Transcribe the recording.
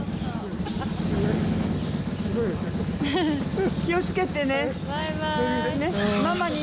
うん気をつけるね。